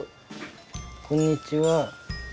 こんにちは。